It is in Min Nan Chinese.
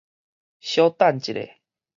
小等一下！